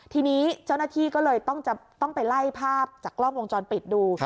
ทีนี้เจ้าหน้าที่ก็เลยต้องไปไล่ภาพจากกล้องวงจรปิดดู